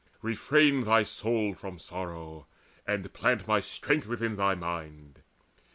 Refrain thy soul From sorrow, and plant my strength within thy mind.